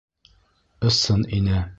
Ысын ине.